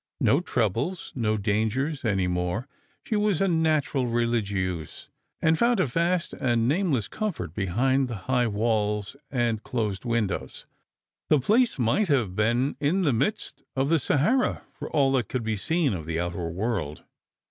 No troubles, no dangers, any more. She was a natural religieuse, and found a vast and nameless comfort behind the high walls and closed windows. The place might have been in the midst of the Sahara, for all that could be seen of the outer world.